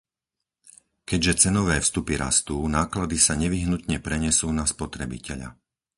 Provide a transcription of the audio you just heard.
Keďže cenové vstupy rastú, náklady sa nevyhnutne prenesú na spotrebiteľa.